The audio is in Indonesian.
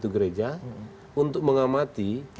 gereja untuk mengamati